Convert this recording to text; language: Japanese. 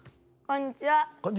こんにちは。